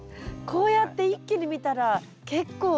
こうやって一気に見たら結構育てましたね。